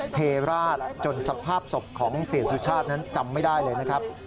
เทราชจนสภาพศพของเสียสุชาตินั้นจำไม่ได้เลยนะครับ